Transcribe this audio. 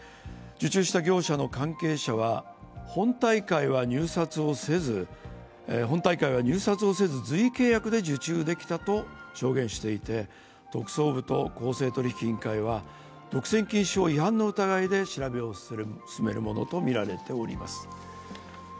受注した業者の関係者は本大会は入札をせず随意契約で受注できたと証言していて、特捜部と公正取引委員会は独占禁止法違反の疑いで調べを進めるものとみられております。